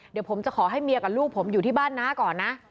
เดี๋ยวผมจะขอให้เมียกับลูกผมอยู่ที่บ้านน้าก่อนนะ